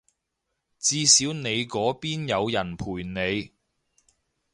至少你嗰邊有人陪你